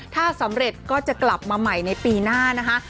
ถ้าสำเร็จก็จะกลับมาใหม่ในปีหน้านะคะ